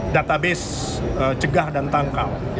database cegah dan tangkal